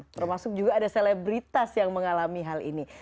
termasuk juga ada selebritas yang mengalami hal ini